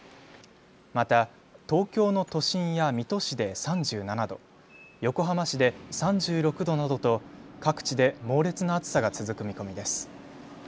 また東京の都心や水戸市で３７度、横浜市で３６度などと各地で猛烈な暑さが続く見込みです。